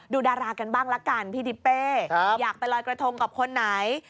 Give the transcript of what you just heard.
ดารากันบ้างละกันพี่ทิเป้อยากไปลอยกระทงกับคนไหน